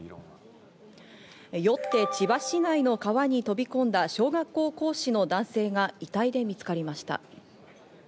酔って千葉市内の川に飛び込んだ小学校講師の男性が遺体で見つかりました。